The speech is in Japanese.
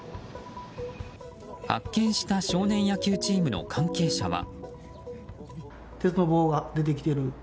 発見した少年野球チームの関係者は。